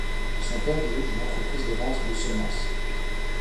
Son père dirige une entreprise de vente de semences.